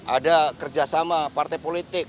ada kerjasama partai politik